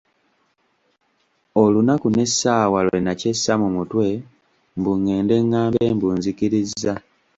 Olunaku n’essaawa lwe nakyessa mu mutwe mbu ngende ngambe mbu “nzikirizza”!